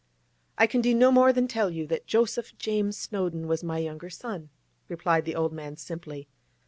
'I can do no more than tell you that Joseph James Snowdon was my younger son,' replied the old man simply.